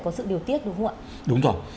có sự điều tiết đúng không ạ đúng rồi